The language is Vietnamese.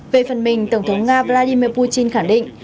về phần mình tổng thống nga vladimir putin khẳng định